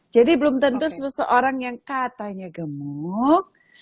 jadi belum tentu seseorang yang katanya gemuk